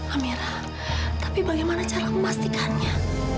amera tapi bagaimana cara memastikannya